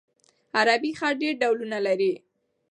عربي خط ډېر ډولونه لري.